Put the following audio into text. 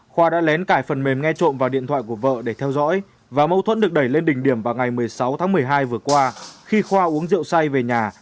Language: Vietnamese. khoa đã lén cải phần mềm nghe trộm vào điện thoại của vợ để theo dõi và mâu thuẫn được đẩy lên đỉnh điểm vào ngày một mươi sáu tháng một mươi hai vừa qua khi khoa uống rượu say về nhà